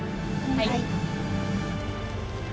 はい。